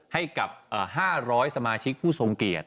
ให้กับ๕๐๐สมาชิกผู้ทรงเกียรติ